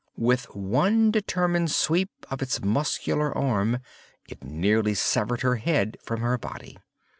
With one determined sweep of its muscular arm it nearly severed her head from her body.